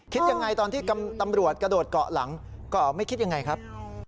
คิดยังไงตอนที่ตำรวจกระโดดเกาะหลังเกาะไม่คิดยังไงครับ